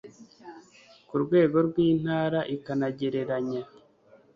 ku rwego rw intara ikanagereranya